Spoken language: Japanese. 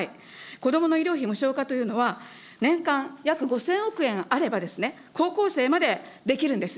子どもの医療費無償化というのは、年間約５０００億円あれば、高校生までできるんです。